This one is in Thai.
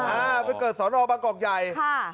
อ่าอ่าอ่าไปเกิดสอนอบังกกใหญ่ค่ะ